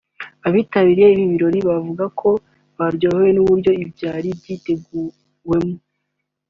Abitabiriye ibi birori bavuga ko baryohewe n’uburyo byari biteguwemo